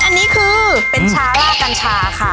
อันนี้คือเป็นเช้ากัญชาค่ะ